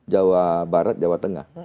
jawa barat jawa tengah